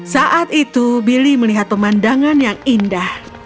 saat itu billy melihat pemandangan yang indah